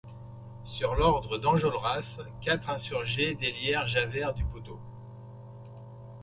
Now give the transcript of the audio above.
Sur l'ordre d'Enjolras, quatre insurgés délièrent Javert du poteau.